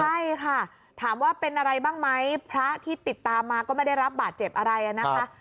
ใช่ค่ะถามว่าเป็นอะไรบ้างไหมพระที่ติดตามมาก็ไม่ได้รับบาดเจ็บอะไรนะคะ